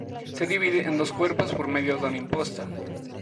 Se divide en dos cuerpos por medio de una imposta.